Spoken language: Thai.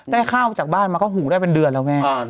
ข้าวจากบ้านมาก็หุงได้เป็นเดือนแล้วแม่